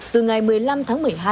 từ ngày một mươi năm tháng một mươi hai